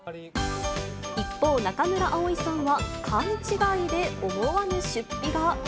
一方、中村蒼さんは、勘違いで思わぬ出費が。